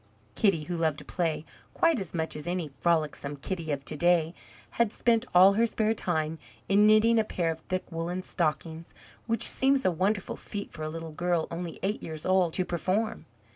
Kitty, who loved to play quite as much as any frolicsome Kitty of to day, had spent all her spare time in knitting a pair of thick woollen stockings, which seems a wonderful feat for a little girl only eight years old to perform!